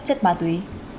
chất ma túy